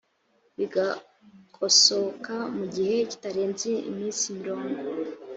bigakosoka mu gihe kitarenze iminsi mirongo